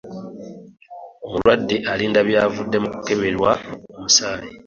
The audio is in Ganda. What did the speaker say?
Omulwadde alinda byavudde mu kukebera musaayi.